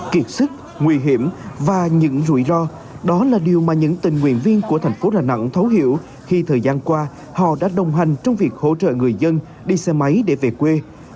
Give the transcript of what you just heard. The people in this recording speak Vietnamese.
kiệt sức nguy hiểm và những rủi ro đó là điều mà những tình nguyện viên của thành phố đà nẵng thấu hiểu khi thời gian qua họ đã đồng hành trong việc hỗ trợ người dân đi xe máy để về quê